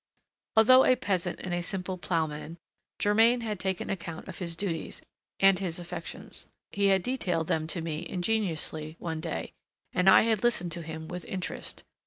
Although a peasant and a simple ploughman, Germain had taken account of his duties and his affections. He had detailed them to me ingenuously one day, and I had listened to him with interest.